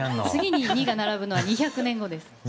次に「２」が並ぶのは２００年後です。